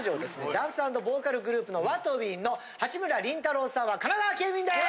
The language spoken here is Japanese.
ダンス＆ボーカルグループのＷＡＴＷＩＮＧの八村倫太郎さんは神奈川県民です！